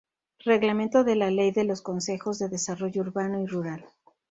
Reglamento de la Ley de los Consejos de Desarrollo Urbano y Rural.